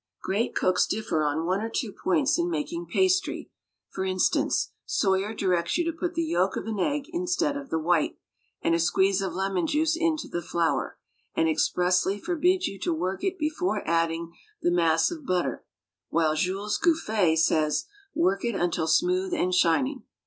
Great cooks differ on one or two points in making pastry; for instance, Soyer directs you to put the yolk of an egg instead of the white, and a squeeze of lemon juice into the flour, and expressly forbids you to work it before adding the mass of butter, while Jules Gouffé says, "work it until smooth and shining."